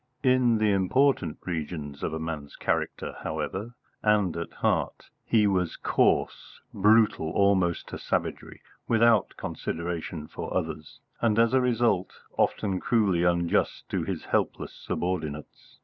In the important regions of a man's character, however, and at heart, he was coarse, brutal almost to savagery, without consideration for others, and as a result often cruelly unjust to his helpless subordinates.